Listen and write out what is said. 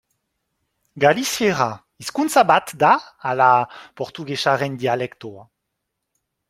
Galiziera hizkuntza bat da ala portugesaren dialektoa?